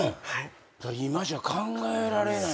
今じゃ考えられない。